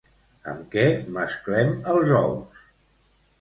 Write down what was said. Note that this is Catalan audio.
Amb què mesclem els ous?